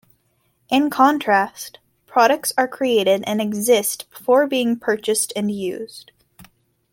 In contrast, products are created and "exist" before being purchased and used.